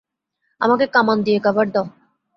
আমাকে কামান দিয়ে কভার দাও!